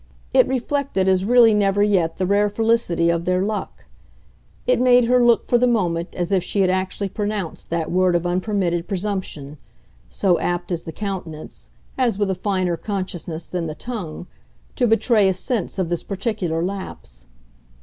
It reflected as really never yet the rare felicity of their luck. It made her look for the moment as if she had actually pronounced that word of unpermitted presumption so apt is the countenance, as with a finer consciousness than the tongue, to betray a sense of this particular lapse.